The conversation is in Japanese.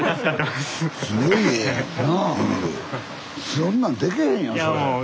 そんなんでけへんよ。